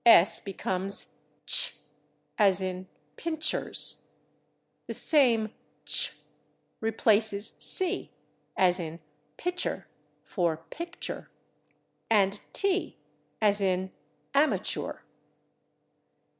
/S/ becomes /tsh/, as in /pincers/. The same /tsh/ replaces /c/, as in /pitcher/ for /picture/, and /t/, as in /amachoor